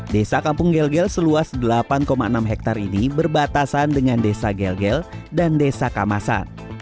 desa kampung gel gel seluas delapan enam hektare ini berbatasan dengan desa gel gel dan desa kamasan